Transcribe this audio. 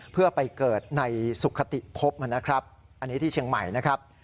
เพื่อไปเกิดในสุขติพบนะครับอันนี้ที่เชียงใหม่นะครับ